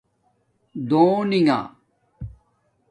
دونِݣہ